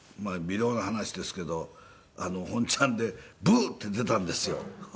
尾籠な話ですけど本ちゃんでブーッて出たんですよ。